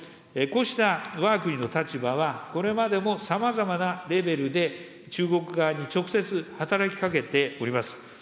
こうしたわが国の立場は、これまでもさまざまなレベルで、中国側に直接働きかけております。